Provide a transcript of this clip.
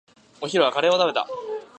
お昼はカレーを食べた。